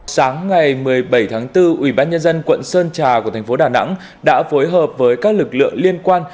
sáng ngày một mươi bảy tháng bốn ubnd quận sơn trà của thành phố đà nẵng đã phối hợp với các lực lượng liên quan